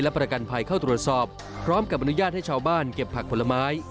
ประกันภัยเข้าตรวจสอบพร้อมกับอนุญาตให้ชาวบ้านเก็บผักผลไม้